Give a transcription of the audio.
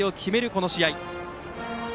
この試合。